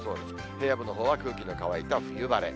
平野部のほうは、空気の乾いた冬晴れ。